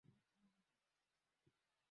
Hapo alichaguliwa kuwa mweyekiti mpya